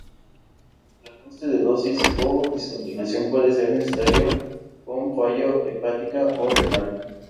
El ajuste de dosis o discontinuación puede ser necesario con fallo hepática o renal.